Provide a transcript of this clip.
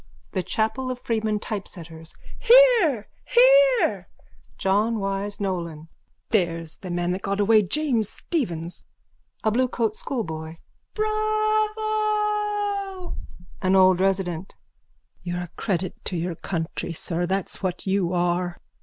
THE CHAPEL OF FREEMAN TYPESETTERS: Hear! Hear! JOHN WYSE NOLAN: There's the man that got away James Stephens. A BLUECOAT SCHOOLBOY: Bravo! AN OLD RESIDENT: You're a credit to your country, sir, that's what you are.